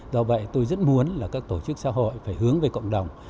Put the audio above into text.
do vậy tôi rất muốn là các tổ chức xã hội phải hướng về cộng đồng